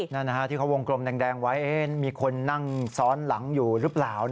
นั่นที่เขาวงกลมแดงไว้มีคนนั่งซ้อนหลังอยู่หรือเปล่า